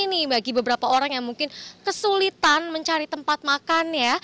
ini bagi beberapa orang yang mungkin kesulitan mencari tempat makan ya